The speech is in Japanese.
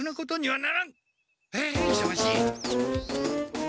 あいそがしい。